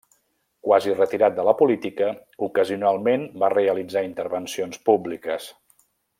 Quasi retirat de la política, ocasionalment va realitzar intervencions públiques.